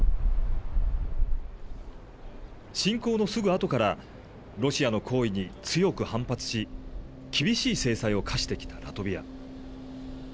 侵攻のすぐあとから、ロシアの行為に強く反発し、厳しい制裁を科してきたラトビア。